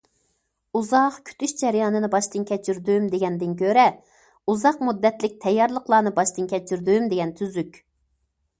ئۇزاق كۈتۈش جەريانىنى باشتىن كەچۈردۈم دېگەندىن كۆرە، ئۇزاق مۇددەتلىك تەييارلىقلارنى باشتىن كەچۈردۈم دېگەن تۈزۈك.